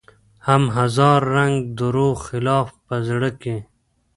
هم هزار رنګه دروغ خلاف په زړه کې